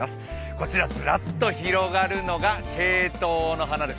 こちら、ずらっと広がるのがケイトウの花です。